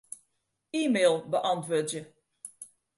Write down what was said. E-mail beäntwurdzje.